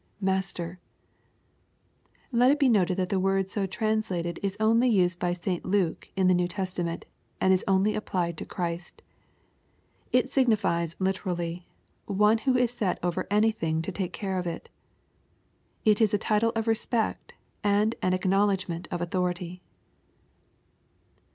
[Master,] Let it be noted that the word so translated is only used by St Luke in the New Testament^ and is only applied to Christ. It signifies literally. " one who is set over anything to take care of it" It is a title or respect, and an acknowledgment of authority.